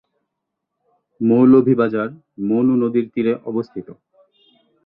মৌলভীবাজার মনু নদীর তীরে অবস্থিত।